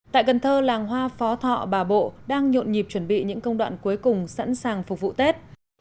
tại cần thơ làng hoa phó thọ bà bộ đang nhộn nhịp chuẩn bị những công đoạn cuối cùng sẵn sàng phục vụ tết